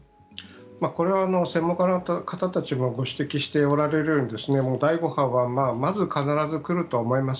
これは専門家の方たちもご指摘しておられるように第５波が必ず来るとは思います。